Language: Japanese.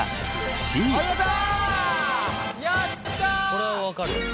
これは分かる。